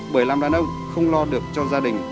bởi làm đàn ông không lo được cho gia đình